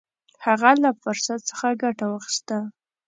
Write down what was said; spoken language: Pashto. هغه له فرصت څخه ګټه واخیسته.